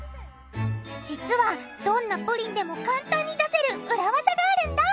実はどんなプリンでも簡単に出せる裏ワザがあるんだ！